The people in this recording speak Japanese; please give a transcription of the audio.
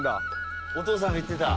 お父さんが言ってた。